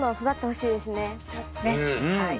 はい。